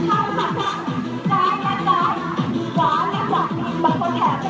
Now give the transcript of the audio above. ข้างข้างข้างขวางขวางขวาง